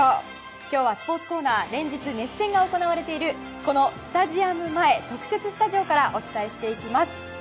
今日はスポーツコーナー連日熱戦が行われているこのスタジアム前の特設スタジオからお伝えしていきます。